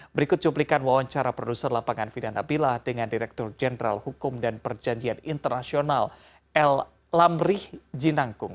berikut cuplikan wawancara produser lapangan vida nabilah dengan direktur jenderal hukum dan perjanjian internasional l lamrih jinangkung